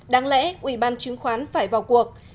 đáng lẽ ủy ban chứng khoán phải vào cuộc